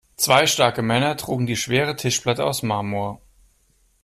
Zwei starke Männer trugen die schwere Tischplatte aus Marmor.